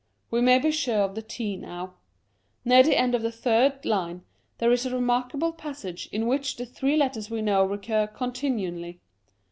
We may be sure of the t now. Near the end of the third line, there is a remarkable passage, in which the three letters we know recur continually.